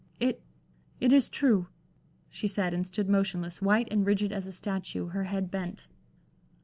"It it is true," she said, and stood motionless, white and rigid as a statue, her head bent.